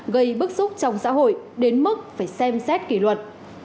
gây bức xúc trong xã hội đến mức phải xem xét kỷ luật